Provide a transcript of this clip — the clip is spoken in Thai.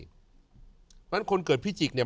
เพราะฉะนั้นคนเกิดพิจิกษ์เนี่ย